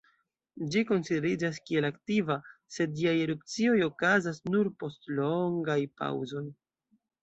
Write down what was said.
Ĝi konsideriĝas kiel aktiva, sed ĝiaj erupcioj okazas nur post longaj paŭzoj.